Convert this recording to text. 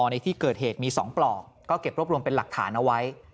ในที่เกิดเหตุมี๒ปลอกก็เก็บรวบรวมเป็นหลักฐานเอาไว้